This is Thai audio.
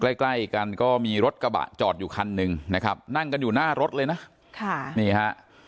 ใกล้ใกล้กันก็มีรถกระบะจอดอยู่คันหนึ่งนะครับนั่งกันอยู่หน้ารถเลยนะค่ะนี่ฮะ